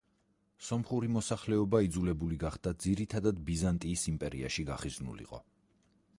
სომხური მოსახლეობა იძულებული გახდა ძირითადად ბიზანტიის იმპერიაში გახიზნულიყო.